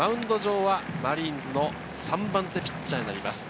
マウンド上はマリーンズの３番手ピッチャーになります。